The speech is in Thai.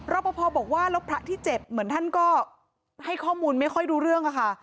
ปภบอกว่าแล้วพระที่เจ็บเหมือนท่านก็ให้ข้อมูลไม่ค่อยรู้เรื่องค่ะ